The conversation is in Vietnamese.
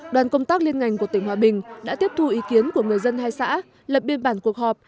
đoàn công tác liên ngành của tỉnh hòa bình đã tiếp thu ý kiến của người dân hai xã lập biên bản cuộc họp